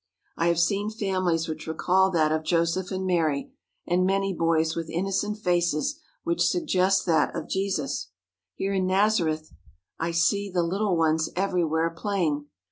I have seen families which recall that of Joseph and Mary, and many boys with innocent faces which suggest that of Jesus. Here in Nazareth I see the little ones everywhere playing.